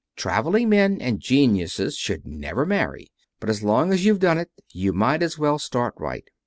Traveling men and geniuses should never marry. But as long as you've done it, you might as well start right.